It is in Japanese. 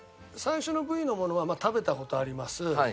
最初のＶのものは食べた事あります。